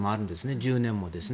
１０年もですね。